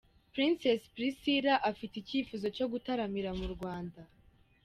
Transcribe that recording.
Princess Priscillah afite icyifuzo cyo gutaramira mu Rwanda.